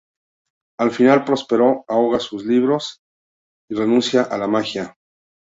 Al final, Próspero ahoga sus libros y renuncia a la magia.